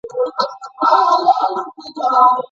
ولي هڅاند سړی د مستحق سړي په پرتله خنډونه ماتوي؟